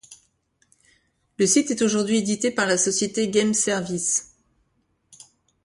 Le site est aujourd'hui édité par la société Games Services.